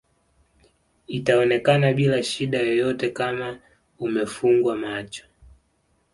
itaonekana bila shida yoyote Kama umefunga macho